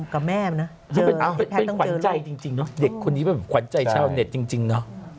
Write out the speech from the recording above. กับแม่มันนะเป็นขวัญใจจริงเนอะเด็กคนนี้เป็นขวัญใจชาวเน็ตจริงเนอะ